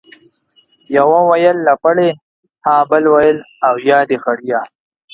يوه ويل لپړى ، ها بل ويل ، اويا دي خړيه.